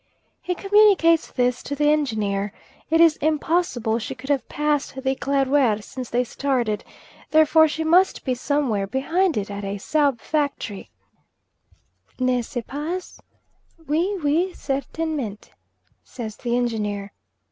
He communicates this to the Engineer; it is impossible she could have passed the Eclaireur since they started, therefore she must be some where behind at a subfactory, "N'est ce pas?" "Oui, oui, certainement," says the Engineer.